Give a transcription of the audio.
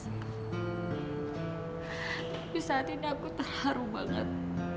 tapi saat ini aku terharu banget